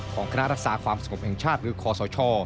ของคณะรักษาความสมมุติแห่งชาติหรือคศ